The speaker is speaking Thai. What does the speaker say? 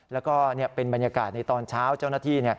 แล้วก็เป็นบรรยากาศในตอนเช้าเจ้าหน้าที่